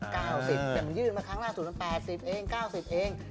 แต่มันยื่นมาครั้งล่าสุดมัน๘๐เอง๙๐เอง